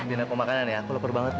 biar aku makan ya aku lapar banget nih